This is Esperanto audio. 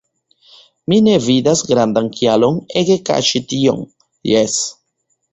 Mi ne vidas grandan kialon ege kaŝi tion – jes.